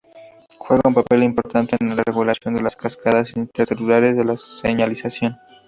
Juega un papel importante en la regulación de las cascadas intracelulares de señalización.